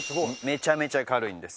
めちゃめちゃ軽いんです。